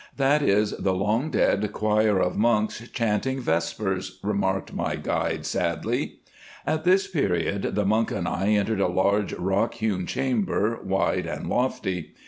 "'That is the long dead choir of monks chanting vespers,' remarked my guide, sadly. "At this period the monk and I entered a large, rock hewn chamber, wide and lofty.